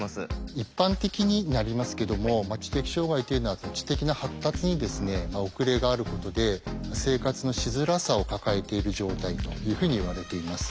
一般的になりますけども知的障害というのは知的な発達に遅れがあることで生活のしづらさを抱えている状態というふうにいわれています。